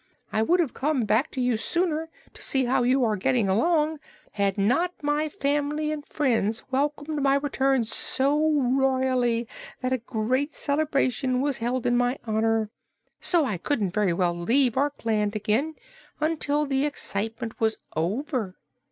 I would have come back to you sooner, to see how you are getting along, had not my family and friends welcomed my return so royally that a great celebration was held in my honor. So I couldn't very well leave Orkland again until the excitement was over."